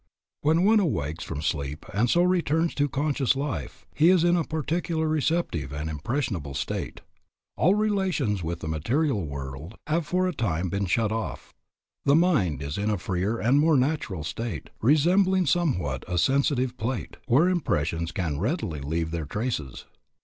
When one awakes from sleep and so returns to conscious life, he is in a peculiarly receptive and impressionable state. All relations with the material world have for a time been shut off, the mind is in a freer and more natural state, resembling somewhat a sensitive plate, where impressions can readily leave their traces.